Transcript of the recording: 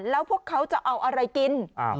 แล้วพวกเขาจะเอาอะไรกิน